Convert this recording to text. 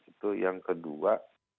itu yang kedua